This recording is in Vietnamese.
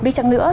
đi chăng nữa